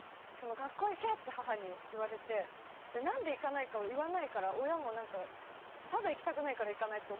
「学校へ行け！」って母に言われてで何で行かないかを言わないから親も何かただ行きたくないから行かないって思ってたと思うんですよね。